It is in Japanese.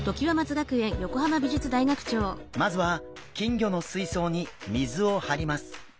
まずは金魚の水槽に水を張ります。